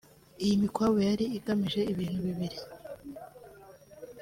Iyi mikwabu yari igamije ibintu bibiri